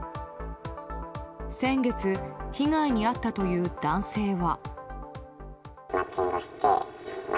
先月、被害に遭ったという男性は。